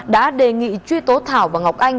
đã đề nghị truy tố thảo và ngọc anh